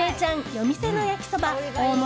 夜店の焼そば大盛